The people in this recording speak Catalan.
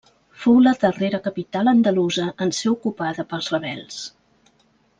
Fou la darrera capital andalusa en ser ocupada pels rebels.